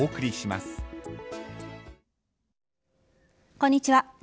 こんにちは。